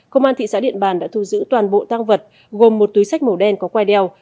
công an thị xã điện bàn đã thu giữ toàn bộ tăng vật gồm một túi sách màu đen có quai đeo